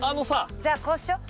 じゃあこうしよう。